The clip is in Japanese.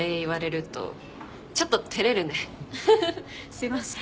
すいません。